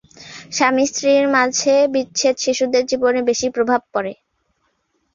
স্বামী-স্ত্রীর মাঝে বিচ্ছেদ শিশুদের জীবনে বেশি প্রভাব পড়ে।